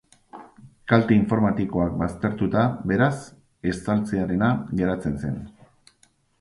Kalte informatikoak baztertuta, beraz, estaltzearena geratzen zen.